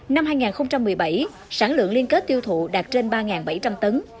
năm hai nghìn một mươi bảy sản lượng liên kết tiêu thụ đạt trên ba bảy trăm linh tấn